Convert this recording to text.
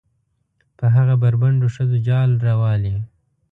په هغه بربنډو ښځو جال روالي.